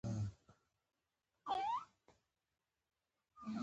په لومړي سر کې تصور نه شو کولای.